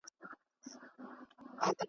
دوه او درې ځله غوټه سو په څپو کي .